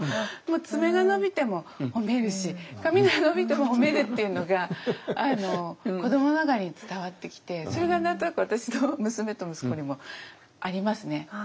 爪が伸びても褒めるし髪が伸びても褒めるっていうのが子どもながらに伝わってきてそれが何となく私の娘と息子にもありますね。